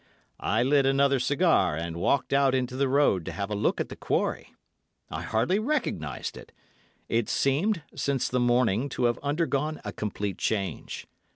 "I lit another cigar and walked out into the road to have a look at the quarry. I hardly recognised it. It seemed, since the morning, to have undergone a complete change.